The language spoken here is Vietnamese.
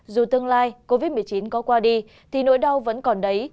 dù tương lai covid một mươi chín có qua đi thì nỗi đau vẫn còn đấy